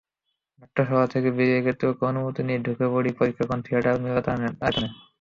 নাট্যশালা থেকে বেরিয়ে কর্তৃপক্ষের অনুমতি নিয়ে ঢুকে পড়ি পরীক্ষণ থিয়েটার মিলনায়তনে।